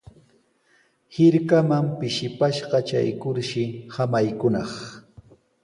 Hirkaman pishipashqa traykurshi samaykunaq.